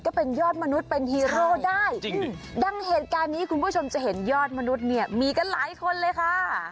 ก็เป็นยอดมนุษย์เป็นฮีโร่ได้จริงดังเหตุการณ์นี้คุณผู้ชมจะเห็นยอดมนุษย์เนี่ยมีกันหลายคนเลยค่ะ